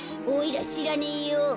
おいらしらねえよ。